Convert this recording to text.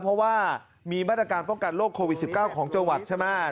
เพราะว่ามีมาตรการป้องกันโรคโควิด๑๙ของจังหวัดใช่ไหม